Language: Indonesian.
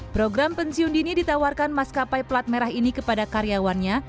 program pensiun dini ditawarkan maskapai pelat merah ini kepada karyawannya